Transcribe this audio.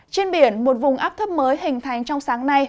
trên biển một vùng áp thấp mới hình thành trong sáng nay